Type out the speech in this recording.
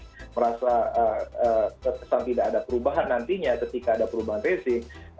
atau kalangan bisnis merasa kesan tidak ada perubahan nantinya ketika ada perubahan resi